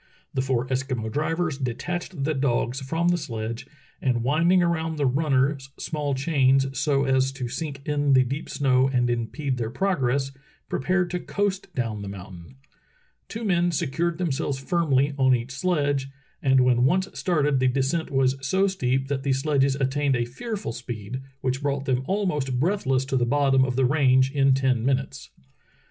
The four Eskimo drivers detached the dogs from the sledge, and winding around the runners small chains so as Relief of American Whalers at Point Barrow 277 to sink in the deep snow and impede their progress, prepared to coast down the mountain. Two men secured themselves firmly on each sledge, and when once started the descent was so steep that the sledges attained a fearful speed, which brought them almost breathless to thp bottom of the range in ten minutes.